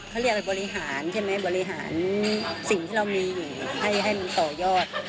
เขาเรียกอะไรบริหารใช่ไหมบริหารสิ่งที่เรามีอยู่ให้มันต่อยอด